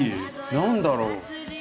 何だろう？